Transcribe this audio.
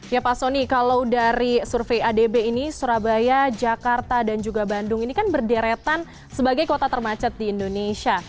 ya pak soni kalau dari survei adb ini surabaya jakarta dan juga bandung ini kan berderetan sebagai kota termacet di indonesia